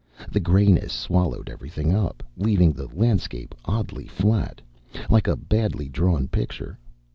The grayness swallowed everything up, leaving the landscape oddly flat, like a badly drawn picture.